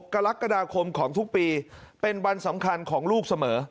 กรกฎาคมของทุกปีเป็นวันสำคัญของลูกเสมอ